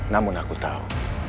namun aku tahu